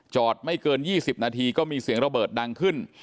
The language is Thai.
ไม่เกิน๒๐นาทีก็มีเสียงระเบิดดังขึ้น